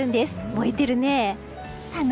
燃えてるね。